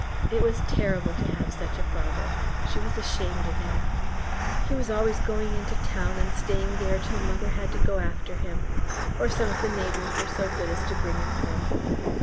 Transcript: It was terrible to have such a father. She was ashamed of him. He was always going into town, and stayed there till mother had to go after him, or some of the neighbours were so good as to bring him home.